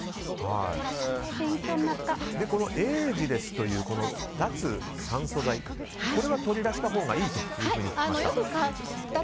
そして、エージレスという脱酸素剤は取り出したほうがいいというふうに聞きました。